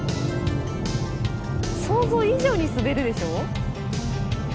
想像以上に滑るでしょ？